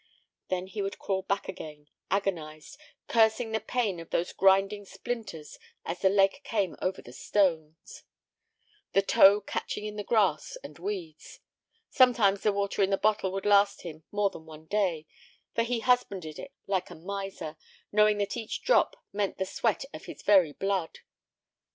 Then he would crawl back again, agonized, cursing the pain of those grinding splinters as the leg came over the stones, the toe catching in the grass and weeds. Sometimes the water in the bottle would last him more than one day, for he husbanded it like a miser, knowing that each drop meant the sweat of his very blood.